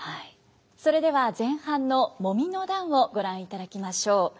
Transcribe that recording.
それでは前半の「揉の段」をご覧いただきましょう。